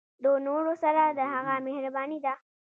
د نورو سره د هغه مهرباني ده.